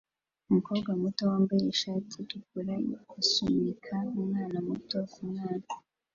Umukobwa muto wambaye ishati itukura asunika umwana muto kumwana